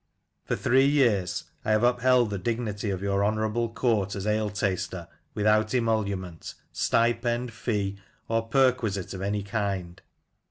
For three years I have upheld the dignity of your honourable court as ale taster without emolument, stipend, fee, or perquisite of any kind.